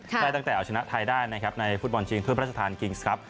ได้ตั้งแต่ออกจะชนะไทยได้ในฟุตบอลจริงที่พฤษฐานกิงส์ครับ